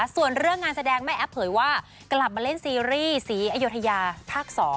ส่วนเรื่องงานแสดงแม่แอฟเผยว่ากลับมาเล่นซีรีส์ศรีอยุธยาภาค๒